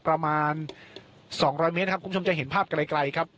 ประมาณ๒๐๐เมตรนะครับคุณผู้ชมจะเห็นภาพไกลครับ